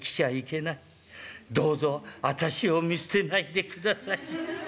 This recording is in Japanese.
どうぞあたしを見捨てないでください』。